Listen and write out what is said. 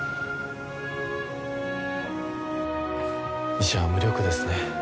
医者は無力ですね。